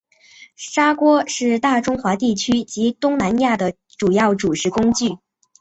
炒锅是大中华地区及东南亚的主要煮食工具。